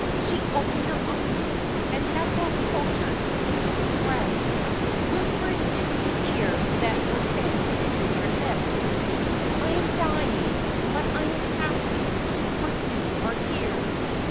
She opened her eyes, and, nestling closer to his breast, whispered to the ear that was bent to her lips: "I am dying, but I am happy, for you are here."